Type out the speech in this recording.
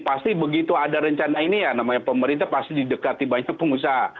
pasti begitu ada rencana ini ya namanya pemerintah pasti didekati banyak pengusaha